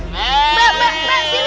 mbak mbak mbak